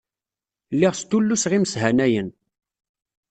Lliɣ stulluseɣ imeshanayen.